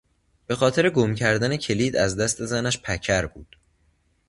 بخاطر گم کردن کلید از دست زنش پکر بود.